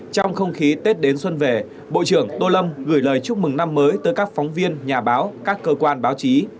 trong không khí tết đến xuân về bộ trưởng tô lâm gửi lời chúc mừng năm mới tới các phóng viên nhà báo các cơ quan báo chí